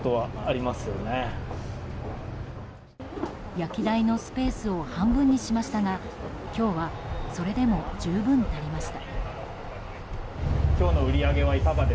焼き台のスペースを半分にしましたが今日はそれでも十分足りました。